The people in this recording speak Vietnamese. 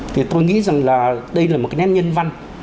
thì tôi nghĩ rằng là đây là một cái nét nhân văn